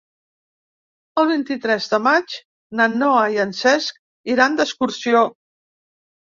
El vint-i-tres de maig na Noa i en Cesc iran d'excursió.